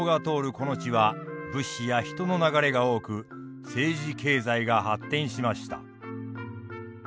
この地は物資や人の流れが多く政治経済が発展しました。